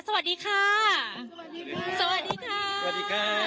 สวัสดีค่ะสวัสดีค่ะสวัสดีค่ะ